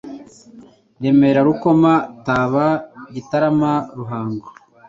Remera Rukoma Taba Gitarama Ruhango